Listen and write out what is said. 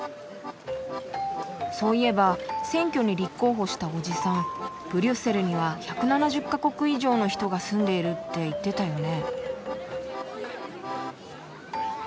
そういえば選挙に立候補したおじさんブリュッセルには１７０か国以上の人が住んでいるって言ってたよね。